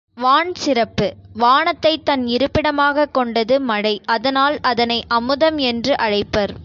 வான் சிறப்பு வானத்தைத் தன் இருப்பிடமாகக் கொண்டது மழை அதனால் அதனை அமுதம் என்று அழைப்பர்.